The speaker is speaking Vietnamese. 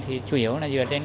thì chủ yếu là dựa trên